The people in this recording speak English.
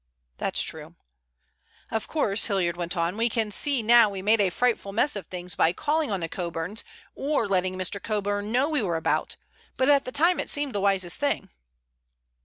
"That's true." "Of course," Hilliard went on, "we can see now we made a frightful mess of things by calling on the Coburns or letting Mr. Coburn know we were about, but at the time it seemed the wisest thing."